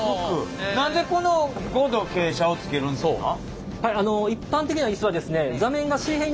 何でこの５度傾斜をつけるんですか？